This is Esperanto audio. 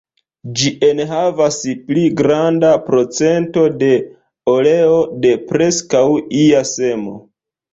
Ĝi enhavas pli granda procento de oleo de preskaŭ ia semo.